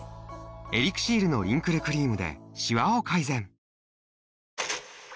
エリクシールのリンクルクリームでしわを改善！